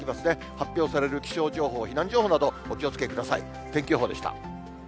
発表される気象情報、避難情報など、お気をつけください。